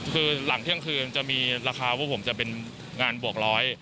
คือหลังเที่ยงคืนจะมีราคาพวกผมจะเป็นงานบวกร้อย